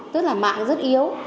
tức là mạng rất yếu